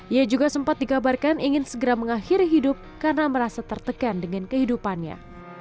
ia juga sempat dikabarkan ingin segera mengakhiri hidup karena merasa tertekan dengan kehidupannya